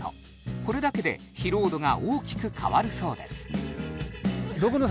これだけで疲労度が大きく変わるそうです